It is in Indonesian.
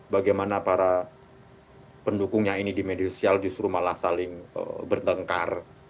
bagaimana para pendukungnya ini di media sosial justru malah saling bertengkar